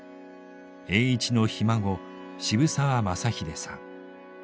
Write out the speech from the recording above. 栄一のひ孫渋沢雅英さん。